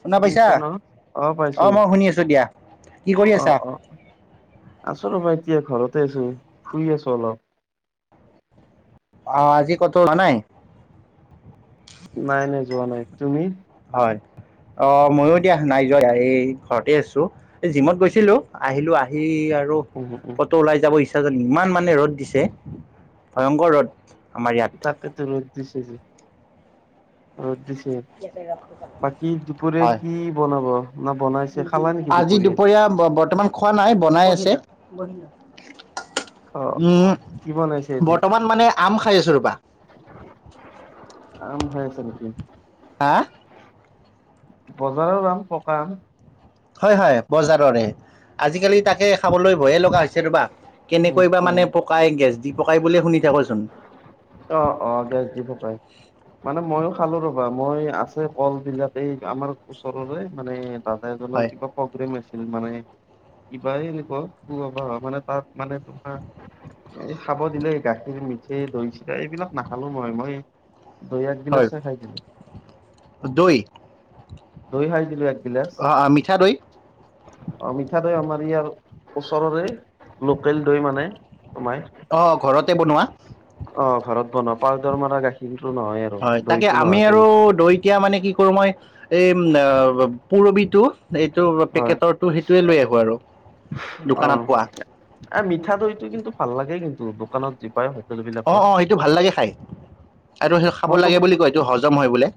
শুনা পাইছা। শুনিছা ন? অ', মই শুনি আছোঁ দিয়া, কি কৰি অ আছা! অ আছো ৰ'বা, এতিয়া ঘৰতে আছো! শুই আছো অলপ! অ', আজি কতো অহা নাই! নাই নাই, যোৱা নাই, তুমি! হয়, অ', মইয়ো দিয়া নাই যোৱা, এই ঘৰতে আছো! জিমত গৈছিলো! আহিলো আহি আৰু উম উম কতো ওলাই যাব ইচ্ছা নাযায়, ইমান মানে ৰ'দ দিছে ভয়ংকৰ ৰ'দ আমাৰ ইয়াত। ইয়াকো ৰ'দ দিছে, ৰ'দ দিছে। বাকী দুপৰীয়া হয়, কি বনাব না বনাইছে খালা নেকি আজি দুপৰীয়া ব, বৰ্তমান খোৱা নাই, বনাই আছে! অ উম্, কি বনাইছে আজি? বৰ্তমান মানে আম খাই আছোঁ ৰবা! আম খাই আছা নেকি? হা, বজাৰৰ আম পকা আম। হয় হয় বজাৰৰে, আজিকালি তাকে খাবলৈ ভয়ে লগা হৈছে ৰবা! উম কেনেকৈ বা উম মানে পকাই, গেছ দি পকাই বুলিয়ে শুনি থাকোঁ চোন! অ', অ', গেছ দি পকাই! মানে, ময়ইো খালো ৰবা! মই আছে কল বিলাক এই আমাৰ ওচৰৰে মানে, দাদা এজনৰ হয় কিবা প্ৰবলেম হৈছিল মানে, কিবাই এনেকুৱা হয় মানে তাত! মানে তোমাৰ এই খাব দিলে! গাখীৰ মিঠেই দৈ-চি এ এইবিলাক নাখালো মই, মই- দৈ এক হয় গিলাচে খাই দিলোঁ। দৈ দৈ খাই দিলো এক- অ', মিঠা দৈ। অ', মিঠা দৈ। আমাৰ ইয়াৰ ওচৰৰে লোকেল দৈ মানে, তোমাই অ', ঘৰতে বনোৱা! অ', ঘৰত বনোৱা, পাউদাৰ মৰা গাখীৰটো নহয় আৰু হয় তাকে দৈটো আমি নহয় আৰু তেনেকে, দৈ এতিয়া মানে কি কৰো মই, এই পুৰবিটো এইটো হয় পেকেটৰো হেই! সেইটোৱে লৈ আহোঁ আৰু, দোকানত পোৱা অ মিঠা দৈটো, কিন্তু ভাল লাগে! কিন্তু, দোকানত যি পায়! হোটেল অঁ, বিলাকত অঁ, হেইটো ভাল লাগে! খাই আৰু সেইটো খাব মইতো লাগে বুলি কয়, এইটো হজম হয় বোলে!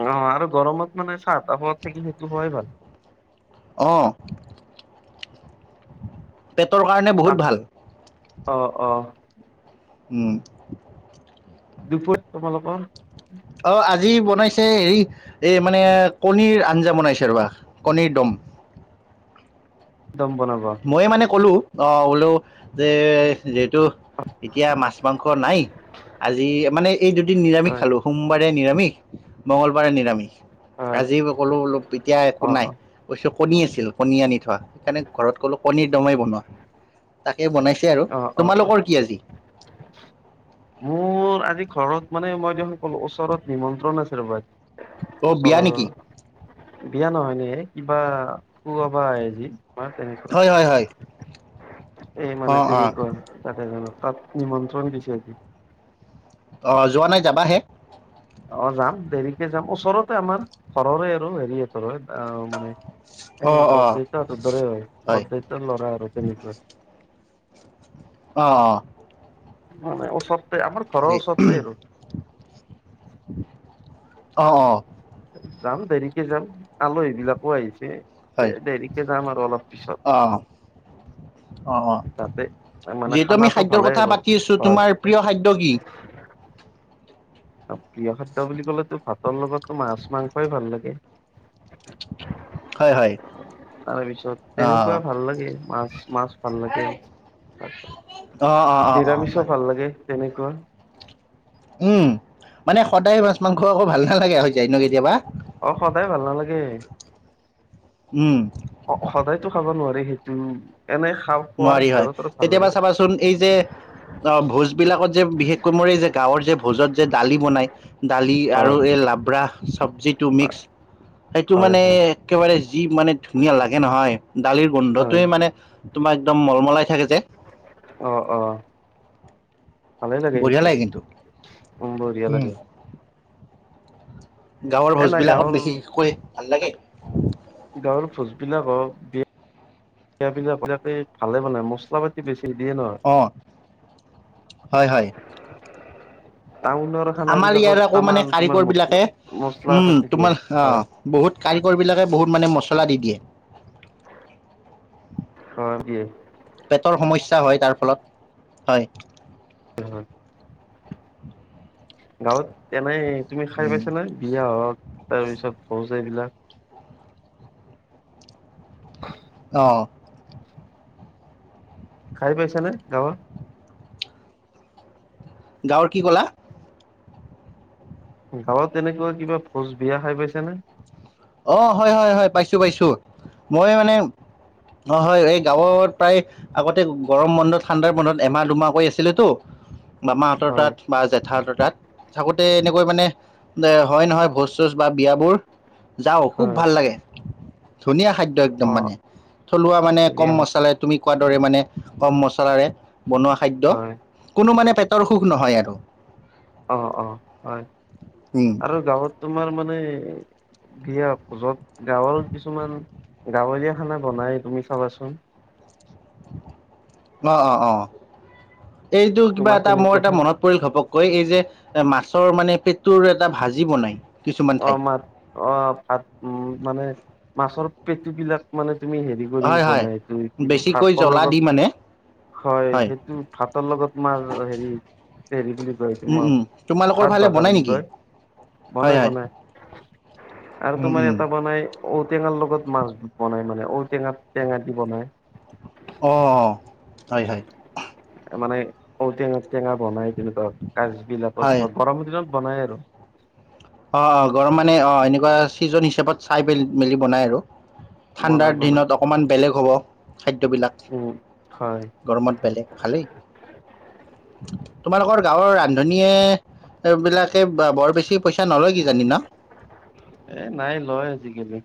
অ আৰু গৰমত মানে চাহ তাহ খোৱাত থাকি, সেইটো খোৱাই ভাল! অঁ পেটৰ কাৰণে তাক বহুত ভাল! অ অ উম দপ তোমালোকৰ অ আজি বনাইছে হেৰি এই মানে কণীৰ আঞ্জা বনাইছে ৰবা কণীৰ দম দম বনাব মইয়ে মানে ক'লো অ বোলো যে ত এতিয়া মাছ মাংস নাই আজি মানে এই দুদিন নিৰামিষ হয় খালো সোমবাৰে নিৰামিষ মঙ্গলবাৰে নিৰামিষ হয় আজি কলো অলপ এতিয়া একো অ অ নাই কণী আছিল কণী আনি থোৱা সেইকাৰণে ঘৰত ক'লো কণীৰ দমাই বনোৱা তাকে বনাইছে আৰু অ অ অ তোমালোকৰ কি আজি মোৰ আজি ঘৰত মানে মই দেখোন ক'লো ওচৰত নিমন্ত্ৰণ আছে ৰ'ব আজি অঁ বিয়া ওচৰৰ নেকি বিয়া নহয় ন কিবা খুুৱাবা আহ যি তোমাৰ তেনেকুৱা হয় হয় হয় এই মানে অঁ অঁ তেনেকুৱা তাতে জানো তাত নিমন্ত্ৰণ দিছে অ যোৱা নাই যাবাহে অ যাম দেৰিকে যাম ওচৰতে আমাৰ ঘৰৰে আৰু হেৰি হয় মানে এ অঁ অঁ বৰদেউতা হতৰ দৰে হয় বৰদেউতাৰ ল'ৰা আৰু তেনেকৈ অ অ মানে ওচৰতে আমাৰ ভালেই ঘৰৰ ওচৰততে আৰু অ অ যাম দেৰিকে যাম আলহীবিলাকো আহিছে এ হয় দেৰিকে যাম আৰু অলপ পিছত অ অ তাতে মানে যিহেতু আমি খানাটো খাদ্যৰ ভালে কথা হ'ব। পাতি আছো হয়। তোমাৰ প্ৰিয় খাদ্য কি প্ৰিয় খাদ্য বুলি ক'লেতো ভাতৰ লগতো মাছ মাংসই ভাল লাগে হয় হয় তাৰ পিছত অ তেনেকুৱাই ভাল লাগে মাছ মাছ ভাল লাগে অ অ অ অ নিৰামিষ হয় ভাল লাগে তেনেকুৱা উম মানে সদায় মাছ মাংস আকৌ ভাল নালাগে হৈ যায় ন কেতিয়াবা অ সদায় ভাল নালাগে উম অ সদায়তো খাব নোৱাৰি সেইটো এনে খাও নোৱাৰি হয় কেতিয়াবা চাবাচোন চোন এই যে অ ভোজ বিলাকত যে বিশেষকৈ মোৰ এই যে গাঁৱৰ যে ভোজত যে দালি বনাই দালি আৰু হয় এই লাব্ৰা চব্জিটো মিক্স সেইটো হয় মানে হয়। একেবাৰে যি মানে ধুনীয়া লাগে নহয় দালিৰ হয় গোন্ধটোৱে মানে তোমাৰ একদম মলমলাই থাকে যে অ অ ভালেই লাগে বঢ়িয়া সেইটো কিন্তু উম বঢ়িয়া উম লাগে গাঁৱৰ এ নাই ভোজবিলাকত গাঁৱৰ বিশেষকৈ ভাল লাগে গাঁৱৰ ভোজবিলাকৰ শাকবিলাক আকে ভালে বনায় মছলা পাতি বেছি দিয়ে নহ অ হয় হয় টাউন খানা আমাৰ ইয়াৰ বিলাকত আকৌ মানে তমাৰ তোমাৰ কাৰিকৰ মচলা বিলাকে মছলা উম পাতি দিয়ে তোমাৰ অ হয় বহুত কাৰিকৰ বিলাকে বহুত মানে মছলা দি দিয়ে খ বি পেটৰ সমস্যা হয় তাৰ ফলত হয় উম গাঁৱত এনেই তুমি খাই উম পাইছা নে বিয়া হওক তাৰ পিছত ভোজ এইবিলাক অ অ, খাই পাইছা নে গাঁৱৰ গাঁৱৰ কি ক'লা? গাঁৱত তেনেকুৱা কিবা ভোজ বিয়া খাই পাইছানে? অ, হয়, হয়, হয়, পাইছো পাইছো মই মানে অ, হয়, এই গাঁৱত প্ৰায় আগতে গৰম বন্ধত ঠাণ্ডাৰ বন্ধত এমাহ দুমাহ কৈ আছিলে টো মামাহঁতৰ হয় তাত বা জেঠা হঁতৰ তাত থাকোতে এনেকৈ মানে হয় নহয় ভোজ চোজ বা বিয়াবোৰ যাওঁ খুব হয় ভাল লাগে ধুনীয়া খাদ্য একদম অ মানে থলুৱা মানে কম ধুনীয়া মছলাত তুমি কোৱাৰ দৰে মানে কম মছলাৰে বনোৱা খাদ্য হয় কোনো মানে পেটৰ অসুখ নহয় আৰু অঁ, অঁ, হয়, উম, আৰু গাঁৱত তোমাৰ মানে বিয়া ভোজত গাঁৱৰ কিছুমান গাঁৱলীয়া খানা বনায় তুমি চাবাচোন। অ, অ, অ, এইটো কিবা তোমাৰ এটা মোৰ এটা তেনেকুৱা মনত পৰিল ঘপককৈ এই যে মাছৰ মানে পেটুৰ এটা ভাজি বনাই কিছুমান অ' ঠাইত মা অ, ভাত উ মানে মাছৰ পেটু বিলাক মানে তুমি হেৰি কৰি হয়, হয়। বনাই বেছিকৈ ভাতৰ জ্বলা দি লগত মানে হয়, সেইটো ভাতৰ লগত মাৰ হেৰি হেৰি বুলি কয় উম, মই উম, তোমালোকৰ ভাত ফালে ভাজা বনাই বুলি নেকি? কয় হয়, বনাই হয়, বনাই আৰু উম, তোমাৰ উম, এটা বনাই ঔটেঙাৰ লগত মাছ বনাই মান ঔটেঙাত টেঙা দি বনাই। অ, অ অ হয়, হয়। মানে ঔটেঙা টেঙা বনাই তেনেকুৱা কাচ বিলাকত হয়। ধৰ গৰম দিনত বনাই আৰু অ, অ, গৰম মানে অ, এনেকুৱা চিজন হিচাপত চাই মেলি মেলি বনাই আৰু বনাই ঠাণ্ডাৰ বনাই দিনত অকমান বেলেগ হ'ব খাদ্যবিলাক। উম হয় গৰমত বেলেগ ভালেই তোমালোকৰ গাঁৱৰ ৰান্ধনীয়ে বিলাকে বৰ বেছি পইচা নলয় কিজানি ন? এ নাই লয় আজিকালি।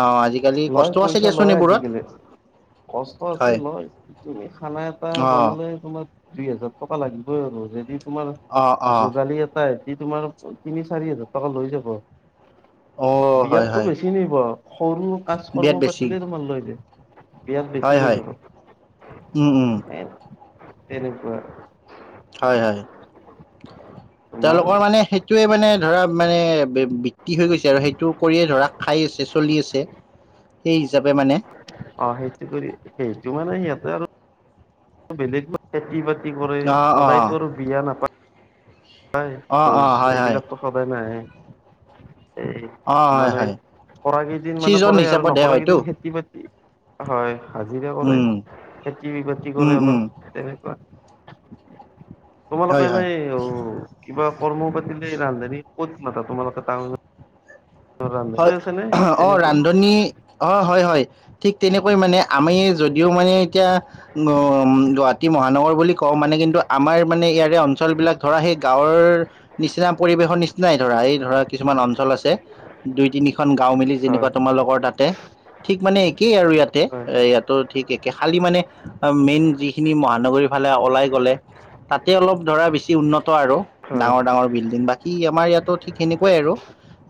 অঁ আজিকালি লয় কষ্ট আছে পইচা দিয়াচোন লয় এইবোৰত আজিকালি। কষ্ট আছে হয় লয় তুমি খানা এটা অঁ বনালে তোমাৰ দুই হাজাৰ টকা লাগিবই আৰু যদি তোমাৰ অঁ অঁ যোগালীয়ে- হয় সি তোমাৰ তিনি চাৰি হাজাৰ টকা লৈ যাব। অঁ হয় বিয়াতটো হয় বেছি নিব সৰু কাজ বিৰাট কৰ্ম বেছি পাতিলেই তোমাল লৈ যে বিয়াত হয় বেছি লৈ হয় যাব উম উম ‌‍এ তেনেকুৱা হয়, হয়, তোমাৰ তেওঁলোকৰ মানে সেই সেইটোৱে মানে ধৰা মানে বৃত্তি হৈ গৈছে আৰু সেইটো কৰিয়ে ধৰা খাই আছে চলি আছে। সেই হিচাপে মানে অ, সেইটো কৰি সেইটো মানে সিহঁতে আৰু বেলেগ খেতি বাতি কৰে অঁ অঁ সদায়তো আৰু বিয়া নাপায় তাই অঁ ভোজ অঁ হয় হয় এইবিলাকতো সদায় নাহে। এই অঁ হয় মানে হয় -কৰা কেইদিন মানে ছিজন কৰে আৰু হিচাপত হে হয়তো নকৰাকেইদিন খেতি বাতি হয় হাজিৰা কৰে উম খেতি বাতি উম, কৰে উম। অলপ তেনেকুৱা। তোমালোকে হয়, হয়। এনেই অ, কিবা কৰ্ম পাতিলে ৰান্ধানী ক'ত মাতা তোমালোকে হয় টাউনত? আছে নে অ তেনেকুৱা। ৰান্ধনী অ', হয়, হয়, ঠিক তেনেকৈ মানে আমি যদিও মানে এতিয়া গুৱাহাটী মহানগৰ বুলি কওঁ মানে কিন্তু আমাৰ মানে ইয়াৰে অঞ্চল বিলাক ধৰা সেই গাঁৱৰ নিচিনা পৰিবেশৰ নিচিনাই ধৰা এই ধৰা কিছুমান অঞ্চল আছে। দুই তিনিখন গাও মিলি হয় যেনেকুৱা তোমাৰালোকৰ তাতে ঠিক মানে একেই আৰু ইয়াতে হয় ইয়াত ত, ঠিক একে খালি মানে মেইন যিখিনি মহানগৰীৰ ফালে ওলাই গলে তাতে অলপ ধৰা বেছি উন্নত আৰু। হয় ডাঙৰ, ডাঙৰ বিল্ডিং বাকী আমাৰ ইয়াতো ঠিক সেনেকুৱাই আৰু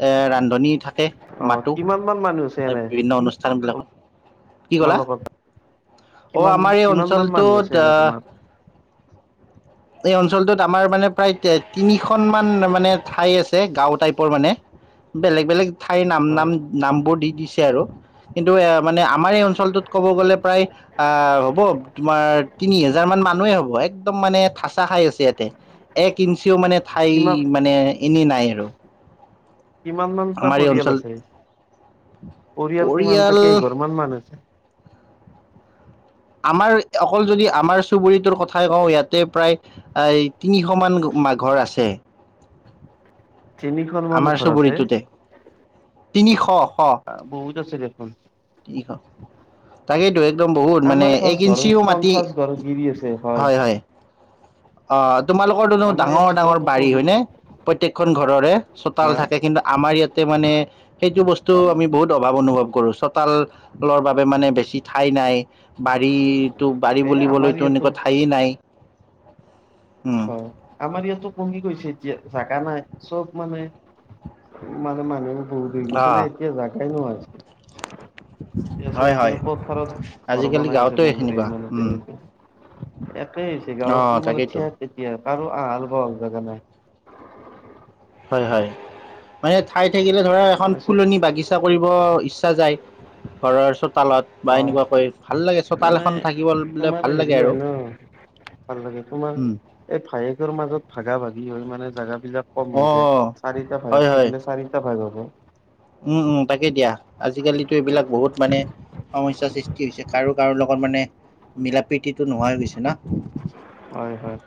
এ ৰান্ধনী থাকে। অ মাতো কিমান মান মানুহ আছে এই এনে বিভিন্ন অনুষ্ঠান বিলাকত। কি তোমাৰ ক'লা লগত অ', কিমান আমাৰ এই কিমান মান মানুহ আছে অঞ্চলটোত এনে তোমাৰ এই অঞ্চলটোত আমাৰ মানে প্ৰায় তিনিখন মান মানে ঠাই আছে। গাঁও টাইপৰ মানে বেলেগ বেলেগ ঠাইৰ নাম হয় নাম নাম বোৰ দি দিছে আৰু কিন্তু এ মানে আমাৰ এই অঞ্চলটোত ক'ব গ'লে প্ৰায় আহ হ'ব তোমাৰ তিনি হোজাৰ মান মানুহে হ'ব একদম মানে থঠাচা খাই আছে ইয়াতে। এক ইঞ্চিও মানে ঠাই কিমান মানে এনেই নাই আৰু। কিমান মানটা আমাৰ এই পৰিয়াল অঞ্চলত আছে পৰিয়াল পৰিয়াল কিমানটাাকেই এঘৰ মান মান আছে। আমাৰ অকল যদি আমাৰ চুবুৰীটোৰ কথাই কওঁ ইয়াতে প্ৰায় এই তিনিশ মান ঘৰ আছে। তিনিখন মান আমাৰ ঘৰ আছে চুবুৰীটোতে তিনিশ শ বহুত আছে দেখোন। [unintelligible] তাকেইেতো একদম বহুত মানে আমাৰ পঞ্চাছ এক ঘৰ ইঞ্চিও মাটি পঞ্চাছ ঘৰ গিৰি আছে হয়, হয়। অ', তোমালোকৰটোোনো আমাৰ ইয়াত ডাঙৰ, ডাঙৰ চোপাটো বাৰী সৰু হয়নে? প্ৰত্যেকখন ঘৰৰে চোতাল হা থাকে কিন্তু আমাৰ ইয়াত মানে সেইটো বস্তু আমি বহুত অভাৱ অনুভৱ কৰো। চোতালৰ বাবে মানে বেছি ঠাই নাই। বাৰীতো বাৰী এ আমাৰ বুলিবলৈতো ইয়াতো এনেকুৱা ঠাইে নাই। উম হয়। আমাৰ ইয়াতো কঙি গৈছে এতিয়া জাগা নাই চব মানে মানে মানুহ বহুত অ গিছি নাই এতিয়া জাগাই নোহোৱা হৈছে। য়া হয় চত হয় মানে ক'তথাৰত ঘৰ আজিকালি বনাই আছে গাঁৱতে গমতে সেনেকুৱা মানে উম তেনেকে একেই হৈছে অ' গাঁৱতোৰ মানে তাকেইতো খে তেতিয়া কাৰো আহাল বাহল জোগা নাই। হয়, হয় মানে ঠাই থাকিলে ধৰা এখন মানে চব ফুলনি বাগিচা কৰিব ইচ্ছা যায় ঘৰৰ চোতালত। বা হয় এনেকুৱা ক ভাল লাগে চোতাল মানে এখন থাকিবলে তোমাৰ ভাল লাগে হেৰি আৰু। হয় ন ভাল লাগে তোমাৰ উম এই ভায়েকৰ মাজত ভাগা ভাগি হৈ মানে জাগাবিলাক। কম হৈ যায়। অ' চাৰিটা হয় ভাগ হয় থাকিলে চাৰিটা ভাগ হ'ব। উম, উম তাকে দিয়া আজিকালিতো এইবিলাক বহুত মানে সমস্যয়াৰ সৃষ্টি হৈছে কাৰো কাৰো লগত মানে মিলা প্ৰীতিতটো নোহোৱা হৈ গৈছে ন। হয় হয়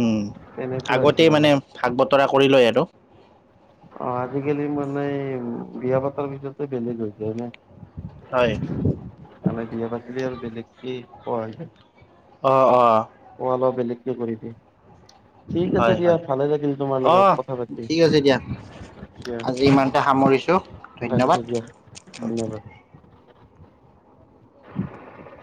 উম, তেনেকুৱা আগতে হৈছে মানে ভাগ বতৰা কৰি লয় আৰু। অ', আজিকালি মানে বিয়া পাতৰ পিছততে বেলেগ হৈছে ন। হয়। তানে বিয়া পাতিলে আৰু বেলেগকে পোৱা যায়। অ', অ'। অ', অলপ বেলেগকে কৰি দ ঠিক হয় আছে দিয়া হয় ভালে লাগিল তোমাৰ অ' লগত কথা পাতি। ঠিক আছে, দিয়া দিয়া আজি ৰাখিছো ইমানতে সামৰিছোঁ ৰাখিছো ধন্যবাদ। দিয়া ধন্যবাদ [inaudible]